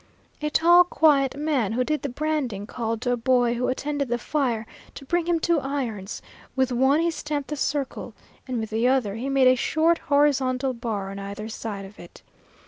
A tall quiet man who did the branding called to a boy who attended the fire to bring him two irons; with one he stamped the circle, and with the other he made a short horizontal bar on either side of it.